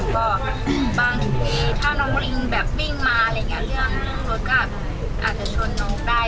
ก็ถ้าน้องลิงบินมาเรื่องรถก็อาจจะชนนกได้